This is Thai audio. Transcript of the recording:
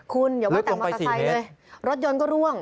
คุณเดี๋ยวว่าแต่มัตรไทยเลยรถยนต์ก็ร่วง